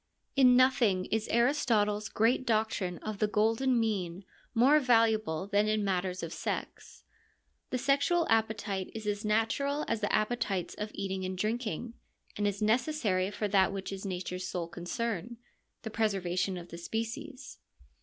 In nothing is Aristotle's great doctrine of the golden mean more valuable than in matters of sex. The sexual appetite is as natural as the appetites of eating and drinking ; and as necessary for that which is nature's sole concern, the preservation of the species.